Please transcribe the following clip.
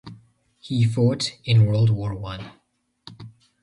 He fought in World War One.